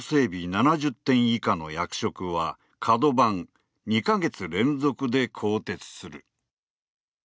７０点以下の役職はカド番、２か月連続で更迭する。